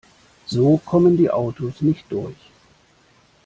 So kommen die Autos nicht durch.